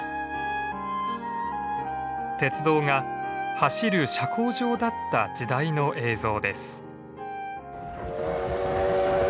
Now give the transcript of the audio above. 鉄道が走る社交場だった時代の映像です。